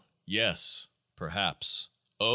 Yes. Perhaps. O